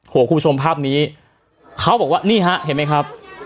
หัวครูสมภาพนี้เขาบอกว่านี่ฮะเห็นมั้ยครับ